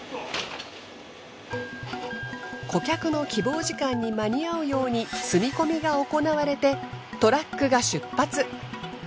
顧客の希望時間に間に合うように積み込みが行われてトラックが出発。